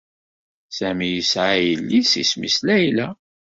Sami yesɛa yelli-s isem-is Layla.